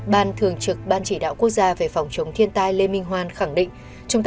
ban thường trực ban chỉ đạo quốc gia về phòng chống thiên tai lê minh hoan khẳng định